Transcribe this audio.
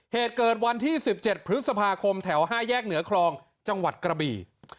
เหตุเกิดวันที่๑๗พฤษภาคมแถว๕แยกเหนือคลองจังหวัดกระบี่